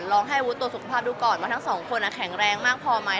ดูก่อนลองให้วุฒิตรวจสุขภาพดูก่อนว่าทั้งสองคนอ่ะแข็งแรงมากพอไหม